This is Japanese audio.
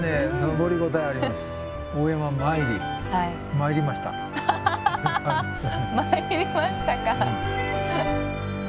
参りましたか。